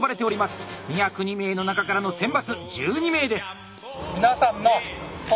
２０２名の中からの選抜１２名です。